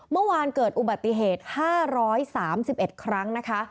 เมื่อวานเกิดอุบัติเหตุ๕๓๑ครั้งนะคะ